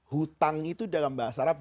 hutang itu dalam bahasa arab